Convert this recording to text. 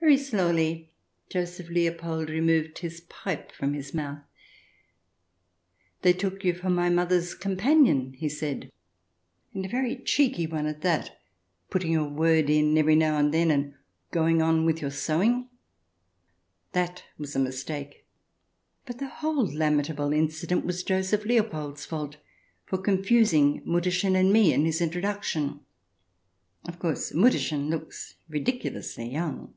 ..." Very slowly Joseph Leopold removed his pipe from his mouth. " They took you for my mother's companion," he said, " and a very cheeky one at that — putting your word in every now and then, and going on with your sewing 1" That was a mistake; but the whole lamentable incident was Joseph Leopold's fault, for confusing Mutterchen and me in his introduction. Of course » Mutterchen looks ridiculously young.